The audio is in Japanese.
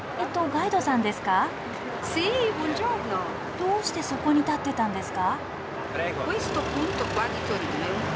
どうしてそこに立ってたんですか？